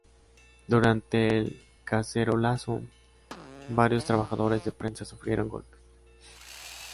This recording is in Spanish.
Durante el cacerolazo varios trabajadores de prensa sufrieron golpes.